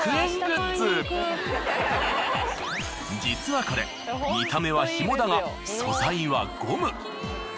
実はこれ見た目はひもだが素材はゴム。